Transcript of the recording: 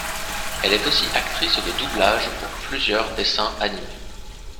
Elle est aussi actrice de doublage pour plusieurs dessins animés.